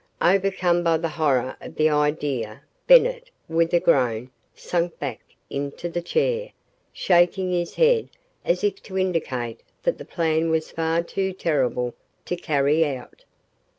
Overcome by the horror of the idea Bennett, with a groan, sank back into the chair, shaking his head as if to indicate that the plan was far too terrible to carry out.